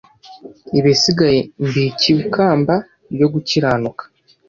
Ibisigaye mbikiwe ikamba ryo gukiranuka,